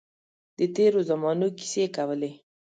د تېرو زمانو کیسې کولې.